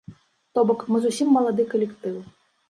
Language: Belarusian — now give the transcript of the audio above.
То бок, мы зусім малады калектыў.